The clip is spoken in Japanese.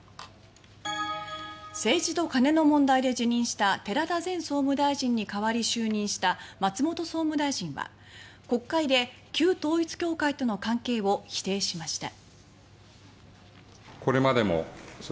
政治とカネの問題で辞任した寺田前総務大臣に代わり就任した松本総務大臣は国会で旧統一教会との関係を否定しました。